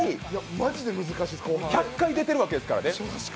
モグラは１００回出てるわけですからね。